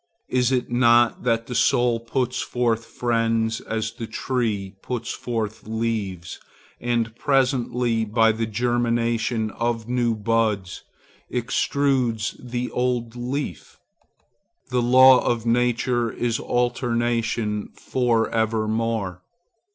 Is it not that the soul puts forth friends as the tree puts forth leaves, and presently, by the germination of new buds, extrudes the old leaf? The law of nature is alternation for evermore.